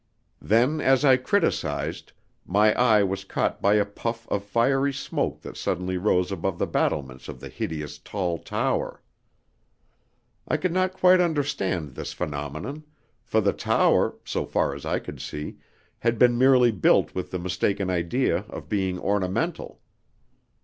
Then, as I criticised, my eye was caught by a puff of fiery smoke that suddenly rose above the battlements of the hideous tall tower. I could not quite understand this phenomenon, for the tower, so far as I could see, had been merely built with the mistaken idea of being ornamental.